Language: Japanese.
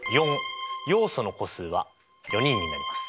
要素の個数は４人になります。